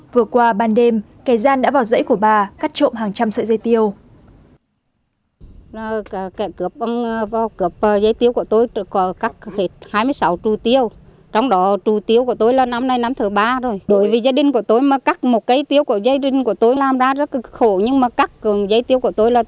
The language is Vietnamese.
vừa qua ban đêm kẻ gian đã vào dãy của bà cắt trộm hàng trăm sợi dây tiêu